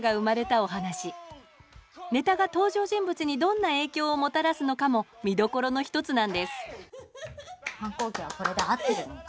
ネタが登場人物にどんな影響をもたらすのかも見どころの一つなんです反抗期はこれで合ってるのか？